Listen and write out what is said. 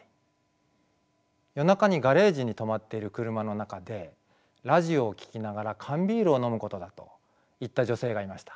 夜中にガレージに止まっている車の中でラジオを聞きながら缶ビールを飲むことだと言った女性がいました。